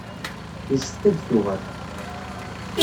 Yessefk ad d-tuɣal.